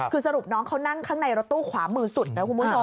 คือสรุปน้องเขานั่งข้างในรถตู้ขวามือสุดนะคุณผู้ชม